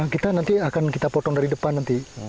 kita nanti akan kita potong dari depan nanti